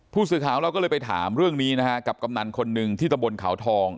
ผู้สืบขาวเราก็เลยไปถามเรื่องนี้กับกำนันคนนึงที่ตะบนข่าวทอง